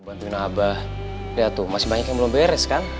bantuin abah lihat tuh masih banyak yang belum beres kan